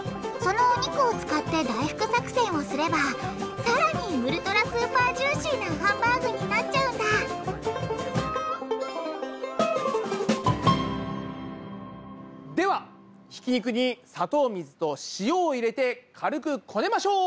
そのお肉を使って大福作戦をすればさらにウルトラスーパージューシーなハンバーグになっちゃうんだではひき肉に砂糖水と塩を入れて軽くこねましょう！